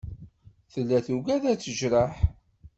Tella tugad ad t-tejreḥ.